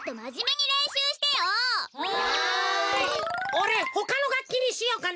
おれほかのがっきにしようかな。